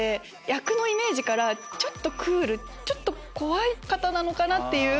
役のイメージからちょっとクールちょっと怖い方かなっていう。